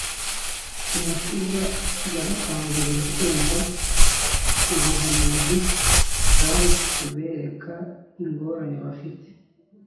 umukiza yabakanguriye kumva ubuhanuzi bwari kubereka ingorane bafite